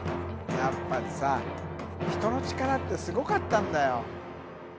やっぱりさ人の力ってすごかったんだよ。